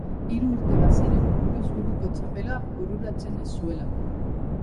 Hiru urte baziren buruz buruko txapela bururatzen ez zuela.